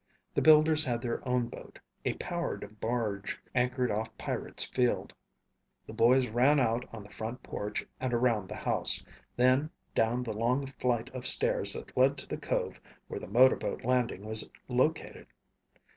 The builders had their own boat, a powered barge, anchored off Pirate's Field. The boys ran out on the front porch and around the house, then down the long flight of stairs that led to the cove where the motorboat landing was located.